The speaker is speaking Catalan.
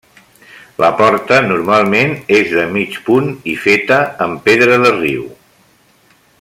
La porta normalment és de mig punt i feta amb pedra de riu.